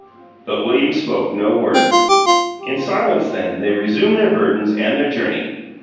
But William spoke no word. In silence, then, they resumed their burdens and their journey.